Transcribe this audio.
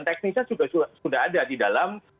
teknisnya sudah ada di dalam